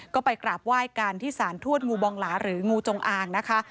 ก็ไปกราบไหว้กันที่สารทวดงูบองหลาหรืองูจงอางนะคะ